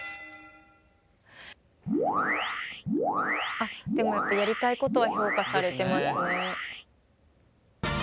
あっでもやっぱやりたいことは評価されてますね。